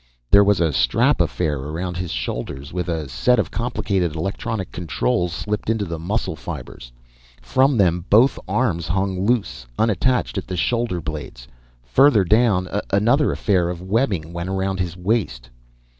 There was a strap affair around his shoulders, with a set of complicated electronic controls slipped into the muscle fibers. From them, both arms hung loose, unattached at the shoulder blades. Further down, another affair of webbing went around his waist.